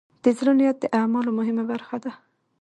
د زړۀ نیت د اعمالو مهمه برخه ده.